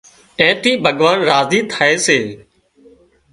اين ٿِي ڀڳوان راضي ٿائي سي